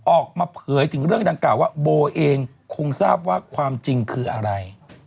ออกมาเผยถึงเรื่องดังกล่าวว่าโบเองคงทราบว่าความจริงคืออะไร